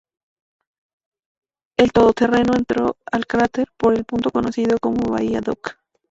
El todoterreno entró al cráter por el punto conocido como "Bahía Duck".